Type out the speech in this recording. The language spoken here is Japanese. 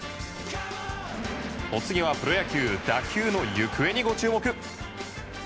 お次はプロ野球打球の行方にご注目。